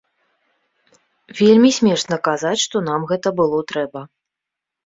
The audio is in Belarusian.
Вельмі смешна казаць, што нам гэта было трэба.